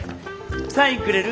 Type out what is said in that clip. サインくれる？